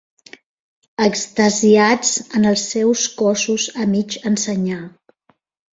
Extasiats en els seus cossos a mig ensenyar.